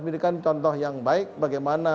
memberikan contoh yang baik bagaimana